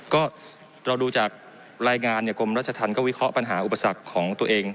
ก็เราดูจากรายงานกรมรัชธรรมก็วิเคราะห์ปัญหาอุปสรรคของตัวเอง